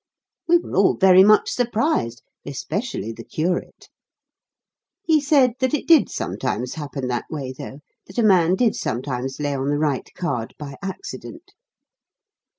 We were all very much surprised, especially the curate. He said that it did sometimes happen that way, though that a man did sometimes lay on the right card, by accident.